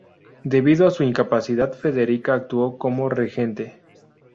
Debido a su incapacidad, Federica actuó como regente.